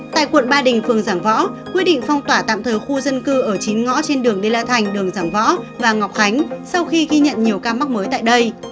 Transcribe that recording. tại quận ba đình phường giảng võ quyết định phong tỏa tạm thời khu dân cư ở chín ngõ trên đường đê la thành đường giảng võ và ngọc khánh sau khi ghi nhận nhiều ca mắc mới tại đây